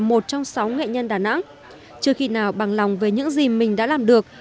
một trong sáu nghệ nhân đà nẵng chưa khi nào bằng lòng về những gì mình đã làm được